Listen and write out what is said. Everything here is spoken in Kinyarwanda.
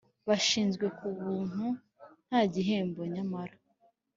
bashinzwe ku buntu nta gihembo Nyamara